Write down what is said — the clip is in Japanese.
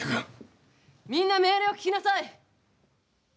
みんな命令を聞きなさい！